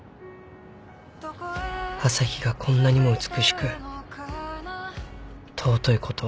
［朝日がこんなにも美しく尊いことを］